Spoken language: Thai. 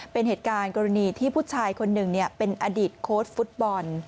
เป็นเหตุการณ์กรณีที่ผู้ชายคนหนึ่งเป็นอดีตโค้ชฟุตบอล